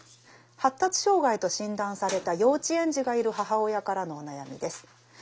発達障害と診断された幼稚園児がいる母親からのお悩みです。